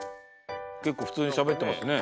結構普通にしゃべってますね。